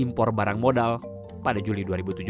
impor barang modal pada juli dua ribu tujuh belas